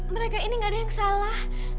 mereka ini gak ada yang salah